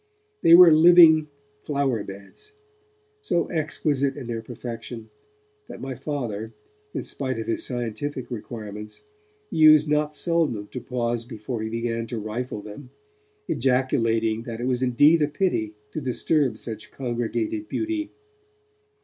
They were living flower beds, so exquisite in their perfection, that my Father, in spite of his scientific requirements, used not seldom to pause before he began to rifle them, ejaculating that it was indeed a pity to disturb such congregated beauty.